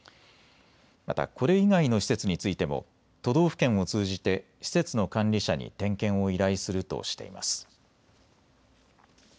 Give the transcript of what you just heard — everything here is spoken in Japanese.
また、これ以外の施設についても都道府県を通じて施設の管理者に点検を依頼するとしています。